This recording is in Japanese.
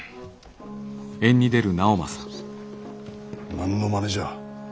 何のまねじゃ。